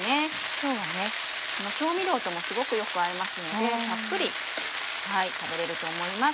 今日は調味料ともすごくよく合いますのでたっぷり食べれると思います。